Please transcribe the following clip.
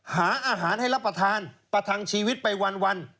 หาอาหารให้รับประทานประทังชีวิตไปวัน